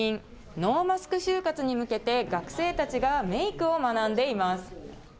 ノーマスク就活に向けて学生たちがメークを学んでいます。